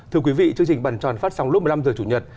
thưa quý vị chương trình bàn tròn phát sóng lúc một mươi năm h chủ nhật